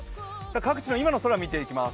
各地の今の空、見ていきます。